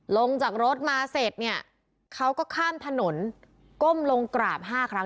ลงจากรถมาเสร็จเนี่ยเขาก็ข้ามถนนก้มลงกราบ๕ครั้ง